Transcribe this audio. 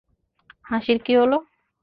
হাসির কি হলো?